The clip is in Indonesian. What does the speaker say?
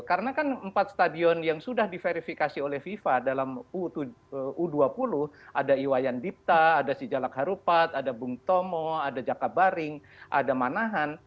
karena kan empat stadion yang sudah diverifikasi oleh fifa dalam u dua puluh ada iwayandipta ada sijalak harupat ada bung tomo ada jakabaring ada manahan